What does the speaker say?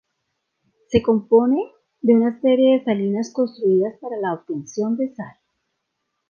Se compone de una serie de salinas construidas para la obtención de sal.